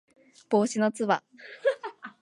帽子のつば